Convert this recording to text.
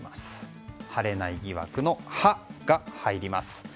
晴れない疑惑の「ハ」が入ります。